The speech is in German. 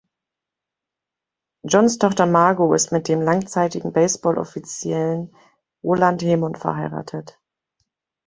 Johns Tochter Margo ist mit dem langzeitigen Baseball-Offiziellen Roland Hemond verheiratet.